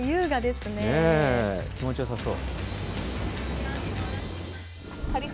気持ちよさそう。